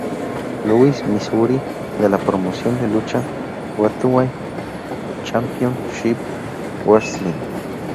Louis, Missouri de la promoción de lucha Gateway Championship Wrestling.